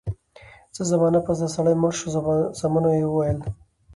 څه زمانه پس دا سړی مړ شو زامنو ئي وويل: